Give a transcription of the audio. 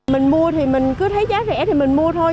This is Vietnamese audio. mình mua thì mình cứ thấy giá rẻ thì mình mua thôi